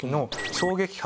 衝撃波？